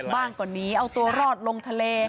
บ้างก็หนีเอาตัวรอดลงทะเล